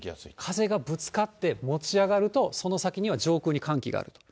風がぶつかって、持ち上がると、その先には上空に寒気がある。